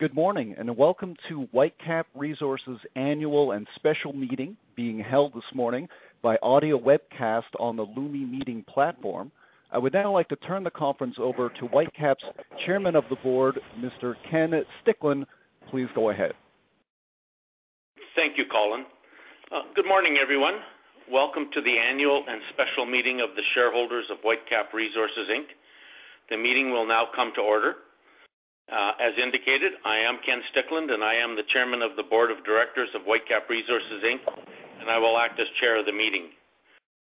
Good morning and welcome to Whitecap Resources' Annual and Special Meeting being held this morning by audio webcast on the Lumi Meeting platform. I would now like to turn the conference over to Whitecap's Chairman of the Board, Mr. Ken Stickland. Please go ahead. Thank you, Colin. Good morning, everyone. Welcome to the annual and special meeting of the shareholders of Whitecap Resources, Inc. The meeting will now come to order. As indicated, I am Ken Stickland and I am the Chairman of the Board of Directors of Whitecap Resources, Inc., and I will act as Chair of the meeting.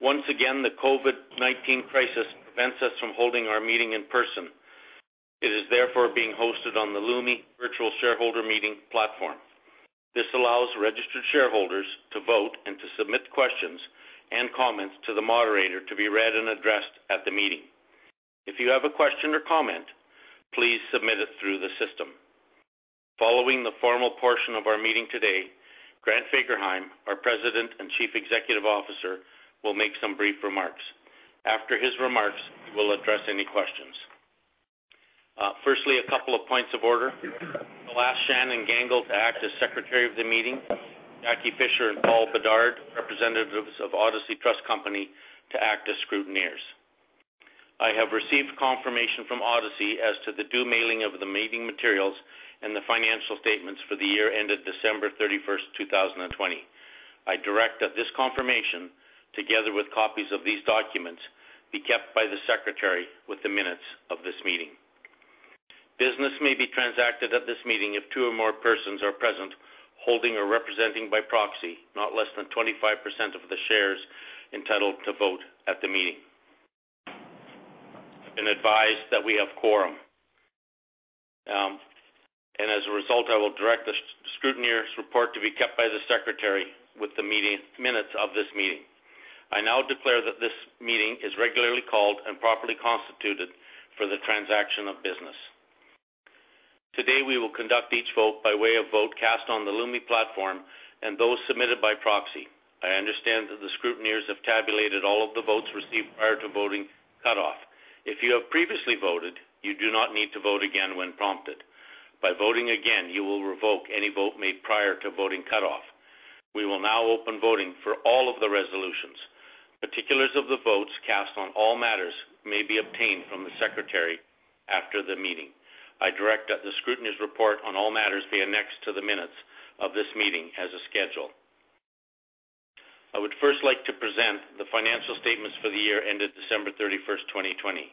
Once again, the COVID-19 crisis prevents us from holding our meeting in person. It is therefore being hosted on the Lumi Virtual Shareholder Meeting platform. This allows registered shareholders to vote and to submit questions and comments to the moderator to be read and addressed at the meeting. If you have a question or comment, please submit it through the system. Following the formal portion of our meeting today, Grant Fagerheim, our President and Chief Executive Officer, will make some brief remarks. After his remarks, he will address any questions. Firstly, a couple of points of order. Shannon Gangl to act as secretary of the meeting. Jackie Fisher and Paul Bedard, representatives of Odyssey Trust Company, to act as scrutineers. I have received confirmation from Odyssey as to the due mailing of the meeting materials and the financial statements for the year ended December 31, 2020. I direct that this confirmation, together with copies of these documents, be kept by the secretary with the minutes of this meeting. Business may be transacted at this meeting if two or more persons are present holding or representing by proxy not less than 25% of the shares entitled to vote at the meeting. I've been advised that we have quorum, and as a result, I will direct the scrutineer's report to be kept by the secretary with the minutes of this meeting. I now declare that this meeting is regularly called and properly constituted for the transaction of business. Today, we will conduct each vote by way of vote cast on the Lumi platform and those submitted by proxy. I understand that the scrutineers have tabulated all of the votes received prior to voting cutoff. If you have previously voted, you do not need to vote again when prompted. By voting again, you will revoke any vote made prior to voting cutoff. We will now open voting for all of the resolutions. Particulars of the votes cast on all matters may be obtained from the Secretary after the meeting. I direct that the scrutineer's report on all matters be annexed to the minutes of this meeting as a schedule. I would first like to present the financial statements for the year ended December 31, 2020.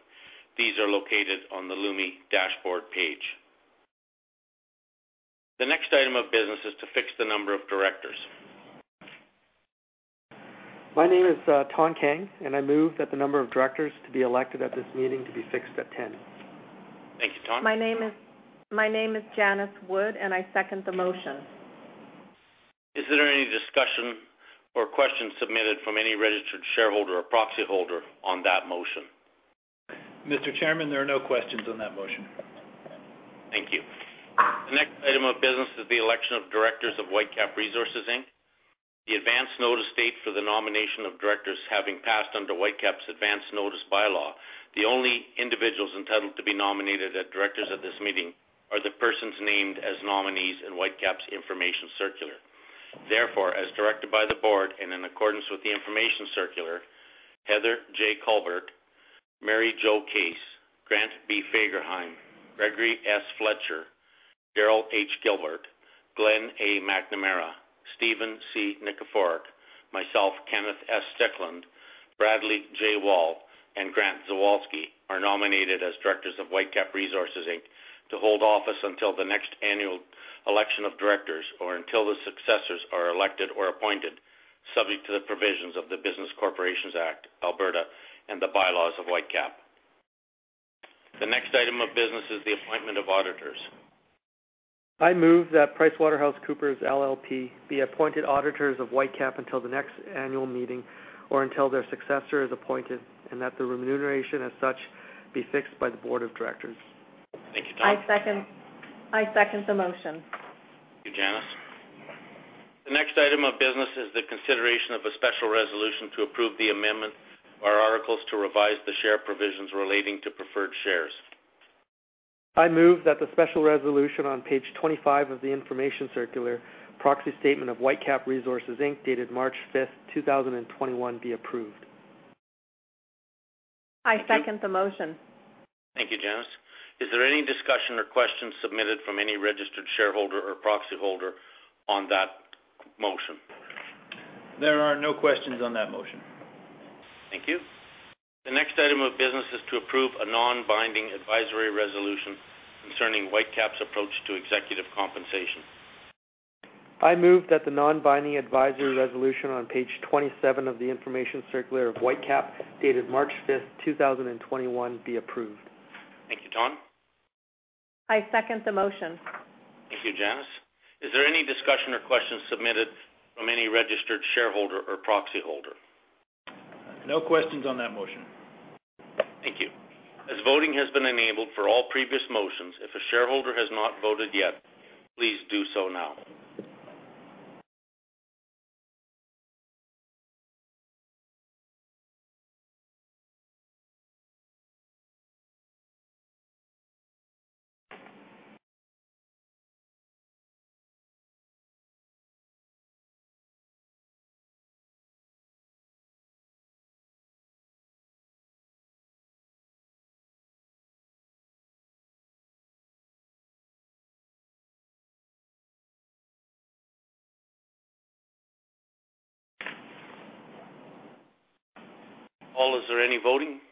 These are located on the Lumi dashboard page. The next item of business is to fix the number of directors. My name is Thanh Kang, and I move that the number of directors to be elected at this meeting to be fixed at 10. Thank you, Thanh. My name is Janice Wood, and I second the motion. Is there any discussion or questions submitted from any registered shareholder or proxy holder on that motion? Mr. Chairman, there are no questions on that motion. Thank you. The next item of business is the election of directors of Whitecap Resources, Inc. The advance notice date for the nomination of directors having passed under Whitecap's advance notice bylaw. The only individuals entitled to be nominated as directors at this meeting are the persons named as nominees in Whitecap's information circular. Therefore, as directed by the board and in accordance with the information circular, Heather J. Culbert, Mary Jo Case, Grant B. Fagerheim, Gregory S. Fletcher, Daryl H. Gilbert, Glen A. McNamara, Stephen C. Nikiforok, myself, Kenneth S. Stickland, Bradley J. Wall, and Grant Zawalsky are nominated as directors of Whitecap Resources, Inc., to hold office until the next annual election of directors or until the successors are elected or appointed, subject to the provisions of the Business Corporations Act, Alberta, and the bylaws of Whitecap. The next item of business is the appointment of auditors. I move that PricewaterhouseCoopers LLP be appointed auditors of Whitecap until the next annual meeting or until their successor is appointed and that the remuneration as such be fixed by the board of directors. Thank you, Thanh. I second the motion. Thank you, Janice. The next item of business is the consideration of a special resolution to approve the amendment of articles to revise the share provisions relating to preferred shares. I move that the special resolution on page 25 of the information circular, proxy statement of Whitecap Resources, Inc., dated March 5, 2021, be approved. I second the motion. Thank you, Janice. Is there any discussion or questions submitted from any registered shareholder or proxy holder on that motion? There are no questions on that motion. Thank you. The next item of business is to approve a non-binding advisory resolution concerning Whitecap's approach to executive compensation. I move that the non-binding advisory resolution on page 27 of the information circular of Whitecap, dated March 5, 2021, be approved. Thank you, Thanh. I second the motion. Thank you, Janice. Is there any discussion or questions submitted from any registered shareholder or proxy holder? No questions on that motion. Thank you. As voting has been enabled for all previous motions, if a shareholder has not voted yet, please do so now. Paul, is there any voting?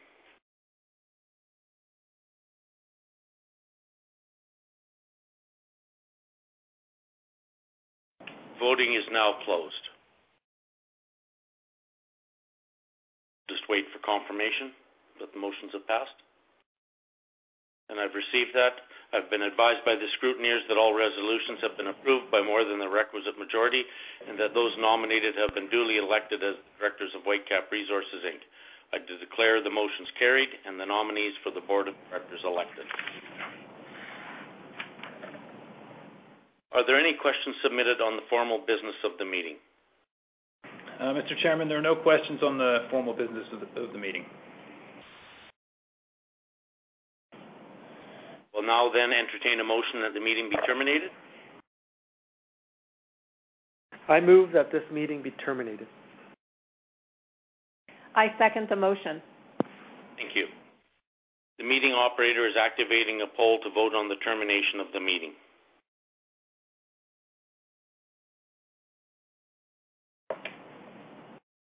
Voting is now closed. Just wait for confirmation that the motions have passed. And I've received that I've been advised by the scrutineers that all resolutions have been approved by more than the requisite majority and that those nominated have been duly elected as directors of Whitecap Resources, Inc. I declare the motions carried and the nominees for the board of directors elected. Are there any questions submitted on the formal business of the meeting? Mr. Chairman, there are no questions on the formal business of the meeting. Will now then entertain a motion that the meeting be terminated? I move that this meeting be terminated. I second the motion. Thank you. The meeting operator is activating a poll to vote on the termination of the meeting.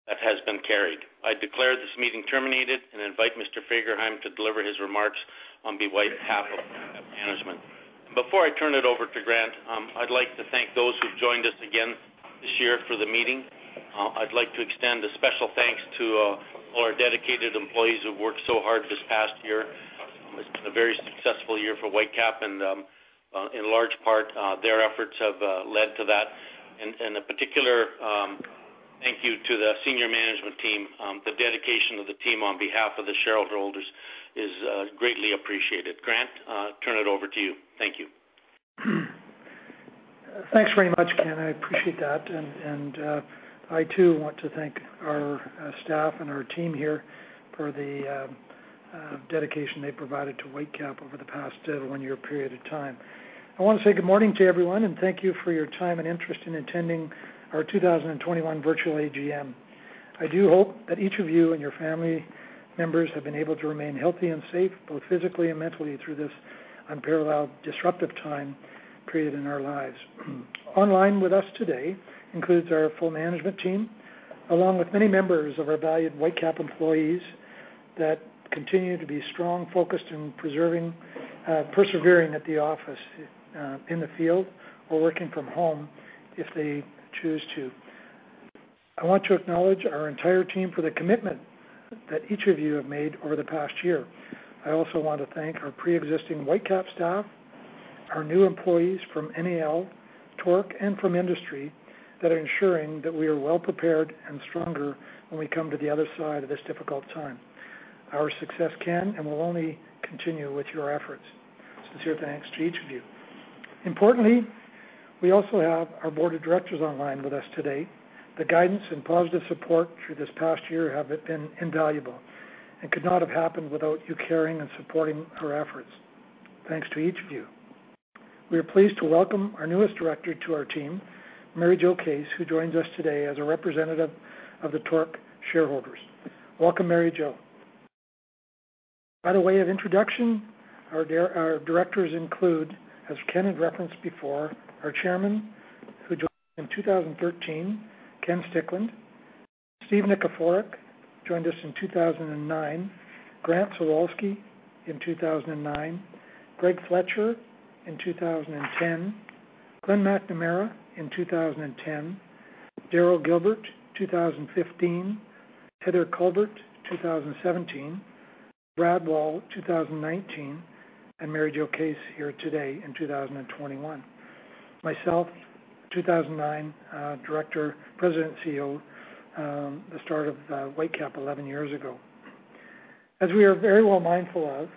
That has been carried. I declare this meeting terminated and invite Mr. Fagerheim to deliver his remarks on the Whitecap management. Before I turn it over to Grant, I'd like to thank those who've joined us again this year for the meeting. I'd like to extend a special thanks to all our dedicated employees who've worked so hard this past year. It's been a very successful year for Whitecap, and in large part, their efforts have led to that, and a particular thank you to the senior management team. The dedication of the team on behalf of the shareholders is greatly appreciated. Grant, I turn it over to you. Thank you. Thanks very much, Ken. I appreciate that. And I, too, want to thank our staff and our team here for the dedication they've provided to Whitecap over the past one-year period of time. I want to say good morning to everyone and thank you for your time and interest in attending our 2021 virtual AGM. I do hope that each of you and your family members have been able to remain healthy and safe, both physically and mentally, through this unparalleled disruptive time period in our lives. Online with us today includes our full management team, along with many members of our valued Whitecap employees that continue to be strong, focused, and persevering at the office in the field or working from home if they choose to. I want to acknowledge our entire team for the commitment that each of you have made over the past year. I also want to thank our pre-existing Whitecap staff, our new employees from NAL, TORC, and from industry that are ensuring that we are well prepared and stronger when we come to the other side of this difficult time. Our success can and will only continue with your efforts. Sincere thanks to each of you. Importantly, we also have our board of directors online with us today. The guidance and positive support through this past year have been invaluable and could not have happened without you caring and supporting our efforts. Thanks to each of you. We are pleased to welcome our newest director to our team, Mary Jo Case, who joins us today as a representative of the TORC shareholders. Welcome, Mary Jo. By way of introduction, our directors include, as Ken had referenced before, our chairman who joined in 2013, Ken Stickland; Steve Nikiforok joined us in 2009; Grant Zawalsky in 2009; Greg Fletcher in 2010; Glen McNamara in 2010; Daryl Gilbert in 2015; Heather Culbert in 2017; Brad Wall in 2019; and Mary Jo Case here today in 2021. Myself, 2009 president and CEO, the start of Whitecap 11 years ago. As we are very well mindful of,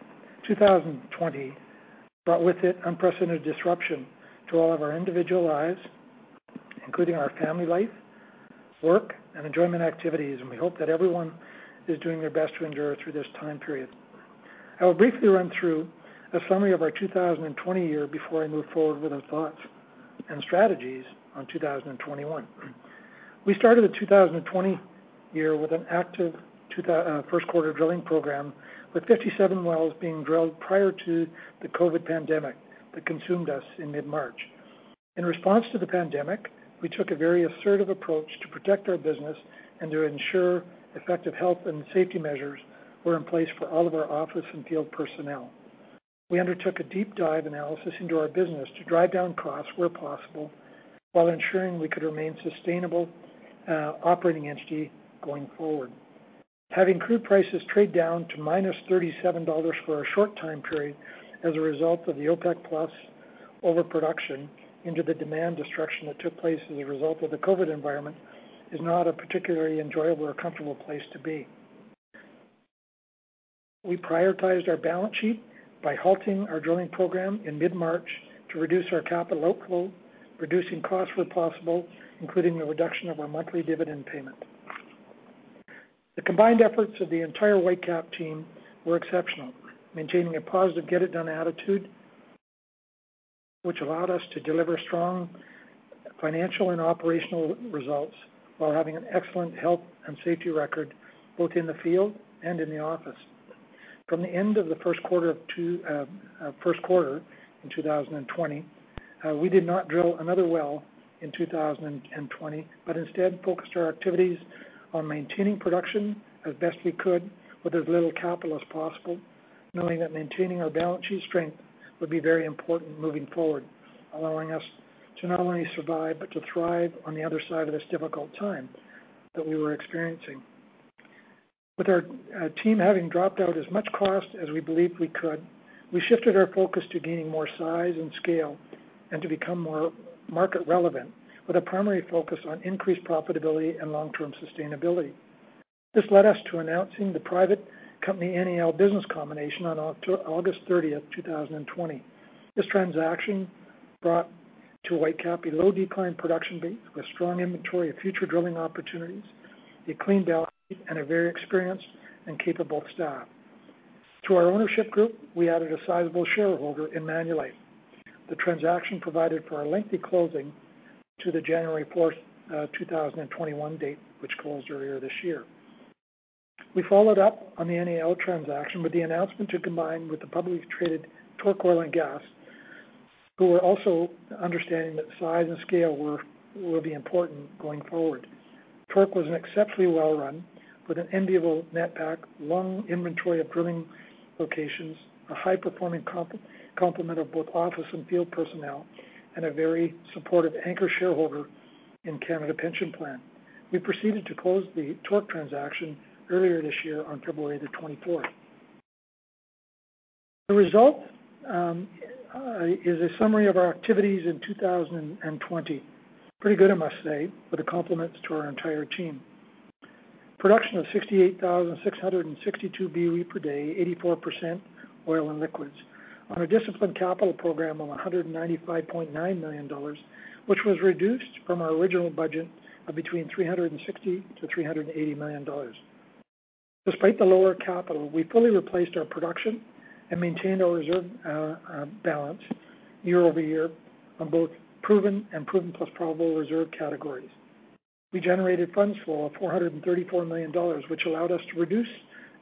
2020 brought with it unprecedented disruption to all of our individual lives, including our family life, work, and enjoyment activities, and we hope that everyone is doing their best to endure through this time period. I will briefly run through a summary of our 2020 year before I move forward with our thoughts and strategies on 2021. We started the 2020 year with an active first quarter drilling program with 57 wells being drilled prior to the COVID pandemic that consumed us in mid-March. In response to the pandemic, we took a very assertive approach to protect our business and to ensure effective health and safety measures were in place for all of our office and field personnel. We undertook a deep dive analysis into our business to drive down costs where possible while ensuring we could remain sustainable operating entity going forward. Having crude prices trade down to minus -$37 for a short time period as a result of the OPEC+ overproduction into the demand destruction that took place as a result of the COVID environment is not a particularly enjoyable or comfortable place to be. We prioritized our balance sheet by halting our drilling program in mid-March to reduce our capital outflow, reducing costs where possible, including the reduction of our monthly dividend payment. The combined efforts of the entire Whitecap team were exceptional, maintaining a positive get-it-done attitude, which allowed us to deliver strong financial and operational results while having an excellent health and safety record both in the field and in the office. From the end of the first quarter in 2020, we did not drill another well in 2020, but instead focused our activities on maintaining production as best we could with as little capital as possible, knowing that maintaining our balance sheet strength would be very important moving forward, allowing us to not only survive but to thrive on the other side of this difficult time that we were experiencing. With our team having dropped out as much cost as we believed we could, we shifted our focus to gaining more size and scale and to become more market relevant with a primary focus on increased profitability and long-term sustainability. This led us to announcing the private company NAL business combination on August 30, 2020. This transaction brought to Whitecap a low decline production base with strong inventory of future drilling opportunities, a clean balance sheet, and a very experienced and capable staff. To our ownership group, we added a sizable shareholder in Manulife. The transaction provided for a lengthy closing to the January 4, 2021 date, which closed earlier this year. We followed up on the NAL transaction with the announcement to combine with the publicly traded TORC Oil & Gas, who were also understanding that size and scale will be important going forward. TORC was an exceptionally well-run with an enviable netback, long inventory of drilling locations, a high-performing complement of both office and field personnel, and a very supportive anchor shareholder in Canada Pension Plan. We proceeded to close the TORC transaction earlier this year on February the 24th. The result is a summary of our activities in 2020, pretty good, I must say, with the compliments to our entire team. Production of 68,662 BOE per day, 84% oil and liquids, on a disciplined capital program of 195.9 million dollars, which was reduced from our original budget of between 360 million to 380 million dollars. Despite the lower capital, we fully replaced our production and maintained our reserve balance year over year on both proven and proven plus probable reserve categories. We generated funds flow of 434 million dollars, which allowed us to reduce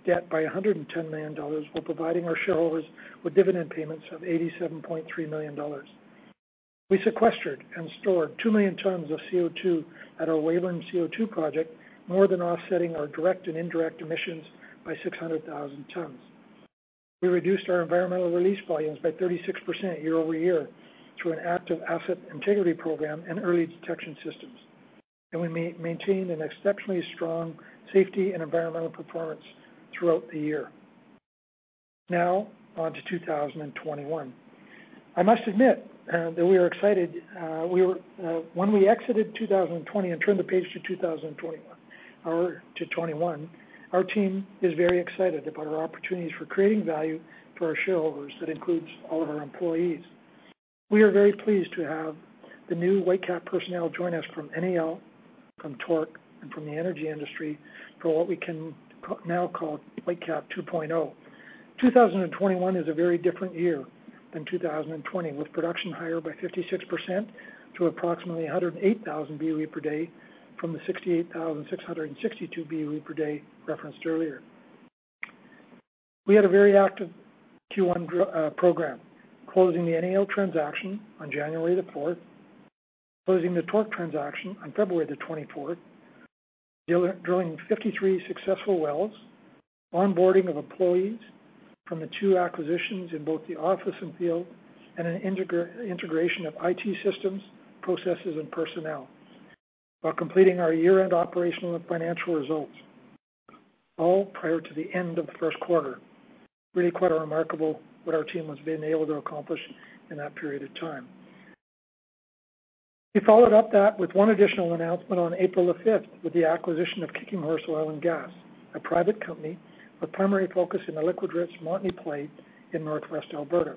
debt by 110 million dollars while providing our shareholders with dividend payments of 87.3 million dollars. We sequestered and stored 2 million tons of CO2 at our Weyburn CO2 project, more than offsetting our direct and indirect emissions by 600,000 tons. We reduced our environmental release volumes by 36% year over year through an active asset integrity program and early detection systems, and we maintained an exceptionally strong safety and environmental performance throughout the year. Now on to 2021. I must admit that we are excited. When we exited 2020 and turned the page to 2021, our team is very excited about our opportunities for creating value for our shareholders that includes all of our employees. We are very pleased to have the new Whitecap personnel join us from NAL, from TORC, and from the energy industry for what we can now call Whitecap 2.0. 2021 is a very different year than 2020, with production higher by 56% to approximately 108,000 BOE per day from the 68,662 BOE per day referenced earlier. We had a very active Q1 program, closing the NAL transaction on January the 4th, closing the TORC transaction on February the 24th, drilling 53 successful wells, onboarding of employees from the two acquisitions in both the office and field, and an integration of IT systems, processes, and personnel while completing our year-end operational and financial results, all prior to the end of the first quarter. Really quite a remarkable what our team has been able to accomplish in that period of time. We followed up that with one additional announcement on April the 5th with the acquisition of Kicking Horse Oil & Gas, a private company with primary focus in the liquids-rich Montney Play in Northwest Alberta.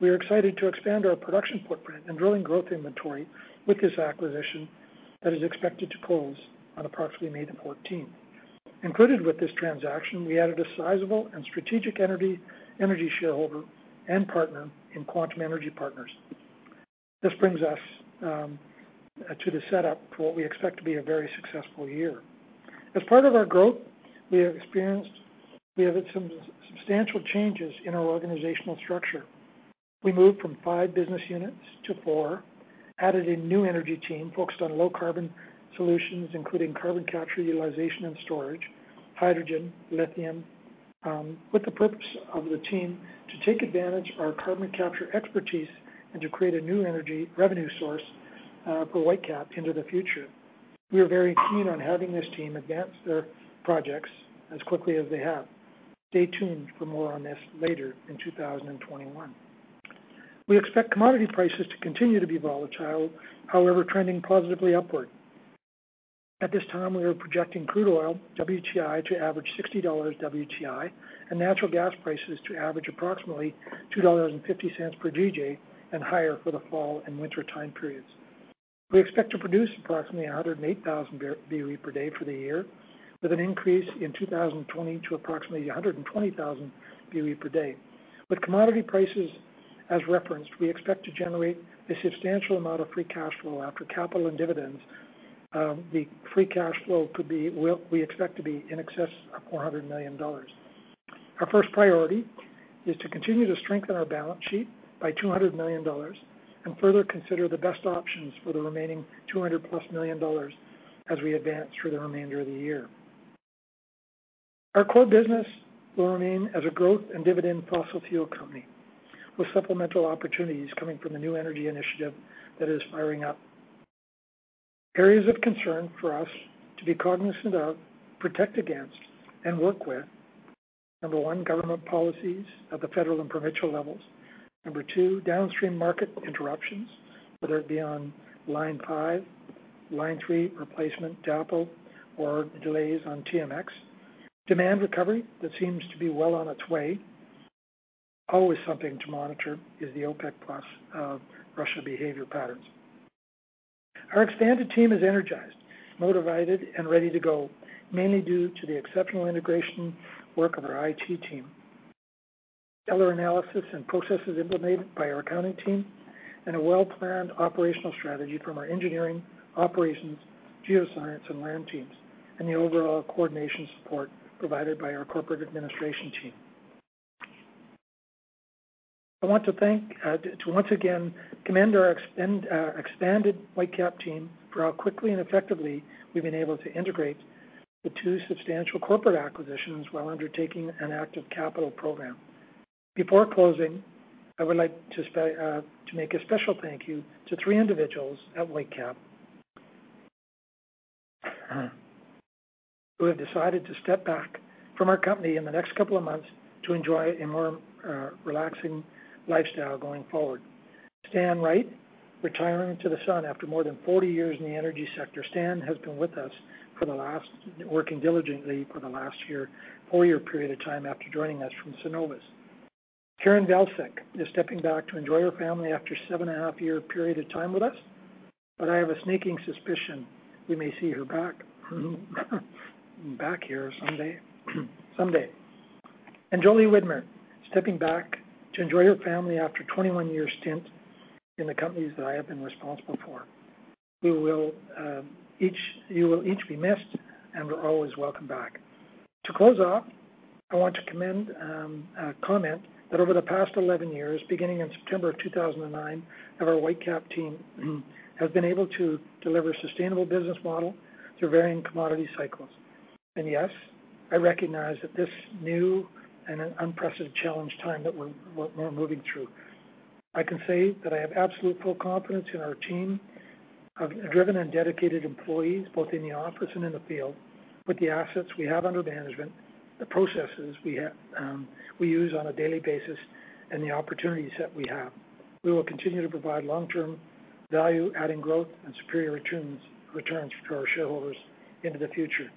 We are excited to expand our production footprint and drilling growth inventory with this acquisition that is expected to close on approximately May the 14th. Included with this transaction, we added a sizable and strategic energy shareholder and partner in Quantum Energy Partners. This brings us to the setup for what we expect to be a very successful year. As part of our growth, we have experienced substantial changes in our organizational structure. We moved from five business units to four, added a new energy team focused on low-carbon solutions, including carbon capture, utilization, and storage, hydrogen, lithium, with the purpose of the team to take advantage of our carbon capture expertise and to create a new energy revenue source for Whitecap into the future. We are very keen on having this team advance their projects as quickly as they have. Stay tuned for more on this later in 2021. We expect commodity prices to continue to be volatile, however, trending positively upward. At this time, we are projecting crude oil WTI to average $60 WTI and natural gas prices to average approximately 2.50 dollars per GJ and higher for the fall and winter time periods. We expect to produce approximately 108,000 BOE per day for the year, with an increase in 2020 to approximately 120,000 BOE per day. With commodity prices as referenced, we expect to generate a substantial amount of free cash flow after capital and dividends. The free cash flow could be we expect to be in excess of 400 million dollars. Our first priority is to continue to strengthen our balance sheet by 200 million dollars and further consider the best options for the remaining 200 plus million as we advance through the remainder of the year. Our core business will remain as a growth and dividend fossil fuel company with supplemental opportunities coming from the new energy initiative that is firing up. Areas of concern for us to be cognizant of, protect against, and work with: number one, government policies at the federal and provincial levels. Number two, downstream market interruptions, whether it be on Line 5, Line 3 replacement, DAPL, or delays on TMX. Demand recovery that seems to be well on its way. Always something to monitor is the OPEC+ Russia behavior patterns. Our expanded team is energized, motivated, and ready to go, mainly due to the exceptional integration work of our IT team, data analysis and processes implemented by our accounting team, and a well-planned operational strategy from our engineering, operations, geoscience, and land teams, and the overall coordination support provided by our corporate administration team. I want to thank, to once again commend our expanded Whitecap team for how quickly and effectively we've been able to integrate the two substantial corporate acquisitions while undertaking an active capital program. Before closing, I would like to make a special thank you to three individuals at Whitecap who have decided to step back from our company in the next couple of months to enjoy a more relaxing lifestyle going forward. Stan Wright, retiring to the sun after more than 40 years in the energy sector. Stan has been with us, working diligently for the last four-year period of time after joining us from Cenovus. Karen Wolsick is stepping back to enjoy her family after a seven-and-a-half-year period of time with us, but I have a sneaking suspicion we may see her back here someday. Jolie Widmer, stepping back to enjoy her family after 21-year stint in the companies that I have been responsible for. You will each be missed and are always welcome back. To close off, I want to make a comment that over the past 11 years, beginning in September of 2009, our Whitecap team has been able to deliver a sustainable business model through varying commodity cycles. And yes, I recognize that this new and unprecedented challenging time that we're moving through. I can say that I have absolute full confidence in our team of driven and dedicated employees both in the office and in the field with the assets we have under management, the processes we use on a daily basis, and the opportunities that we have. We will continue to provide long-term value, adding growth and superior returns to our shareholders into the future.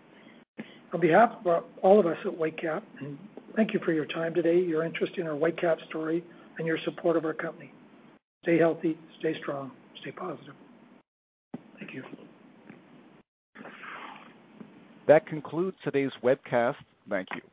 On behalf of all of us at Whitecap, thank you for your time today, your interest in our Whitecap story, and your support of our company. Stay healthy, stay strong, stay positive. Thank you. That concludes today's webcast. Thank you.